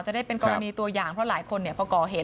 จะได้เป็นกรณีตัวอย่างเพราะหลายคนพอก่อเหตุ